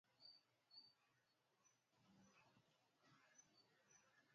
Maneno yoyote ya mshangao yanaweza kusababisha makosa katika oparesheni hiyo